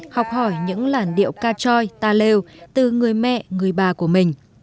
học hỏi những làn điệu ca trôi ta lêu từ người mẹ người bà của mình